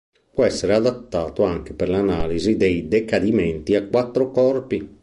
Può essere adattato anche per l'analisi dei decadimenti a quattro corpi.